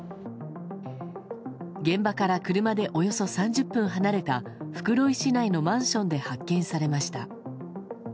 現場から車でおよそ３０分離れた袋井市内のマンションで発見されました。